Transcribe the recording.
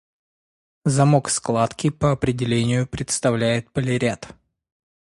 Замок складки, по определению, предоставляет полиряд.